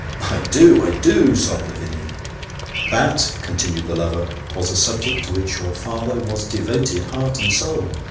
"" I do I do !" sobbed Lavinia. " That," continued the lover, " was a subject to which your father was devoted, heart and soul."